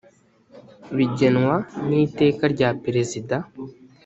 bigenwa n’iteka rya perezida